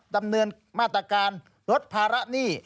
ดำเนินมาตรการลดภาระหนี้